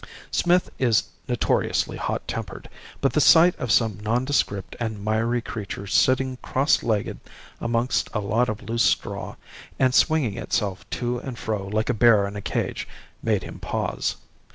"Smith is notoriously hot tempered, but the sight of some nondescript and miry creature sitting cross legged amongst a lot of loose straw, and swinging itself to and fro like a bear in a cage, made him pause.